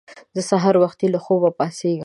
زه سهار وختي له خوبه پاڅېږم